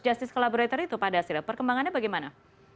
justice collaborator itu pak dasril perkembangannya bagaimana